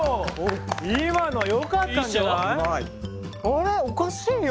あれおかしいよ？